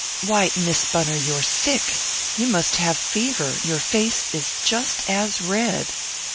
"Why, Miss Bunner, you're sick! You must have fever your face is just as red!"